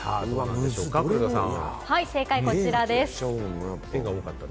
正解はこちらです。